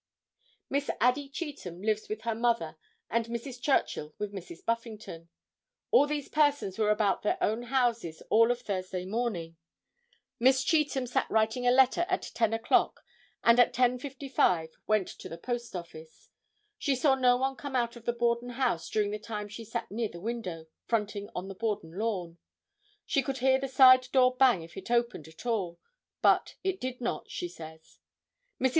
Miss Addie Cheetham lives with her mother and Mrs. Churchill with Mrs. Buffington. All these persons were about their own houses all of Thursday morning. Miss Cheetham sat writing a letter at 10 o'clock and at 10:55 went to the post office. She saw no one come out of the Borden house during the time she sat near the window fronting on the Borden lawn. She could hear the side door bang if it opened at all, but it did not, she says. Mrs.